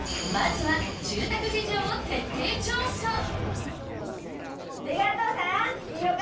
まずは住宅事情を徹底調査